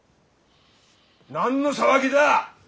何の騒ぎだ！